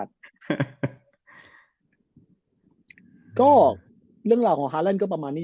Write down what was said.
ส่วนข้างล่ะก็เรื่องราวของฮาร์นแหล่นก็ประมาณนี้